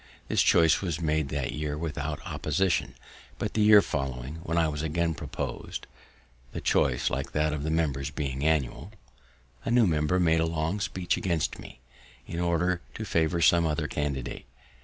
The choice was made that year without opposition; but the year following, when I was again propos'd (the choice, like that of the members, being annual), a new member made a long speech against me, in order to favour some other candidate.